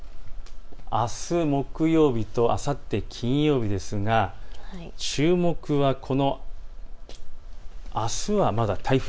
あす木曜日と、あさって金曜日、注目はあすは台風